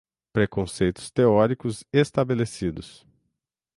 preconceitos teóricos estabelecidos